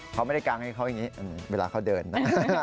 เขาไม่ได้กางให้เขาอย่างนี้เวลาเขาเดินนะ